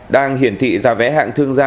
đang hiển thị giá vé hạng thương gia